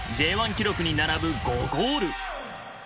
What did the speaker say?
記録に並ぶ５ゴール！